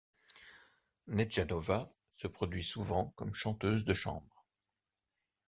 Nejdanova se produit souvent comme chanteuse de chambre.